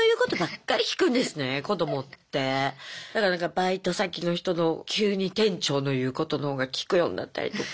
だからなんかバイト先の人の急に店長の言うことのほうが聞くようになったりとか。